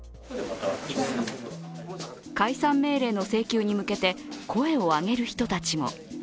解散命令の請求に向けて声を上げる人たちも。